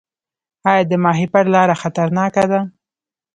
آیا د ماهیپر لاره خطرناکه ده؟